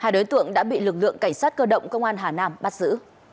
hai đối tượng đã bị lực lượng cảnh sát cơ động công an hà nam bắt giữ